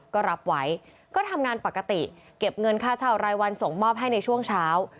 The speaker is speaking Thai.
ก็รับไว้ก็ทำงานปกติเก็บเงินค่าเช่ารายวันส่งมอบให้ในช่วงเช้า